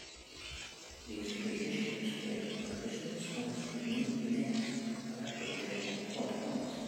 These reissues paired the original stories with new vignettes, elaborating on plot points.